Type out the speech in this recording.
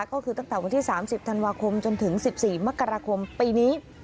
ก็คือตั้งแต่วันที่๓๐ธันวาคมจนถึง๑๔มกราคมปีนี้